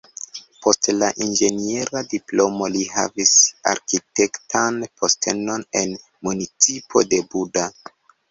Post la inĝeniera diplomo li havis arkitektan postenon en municipo de Buda.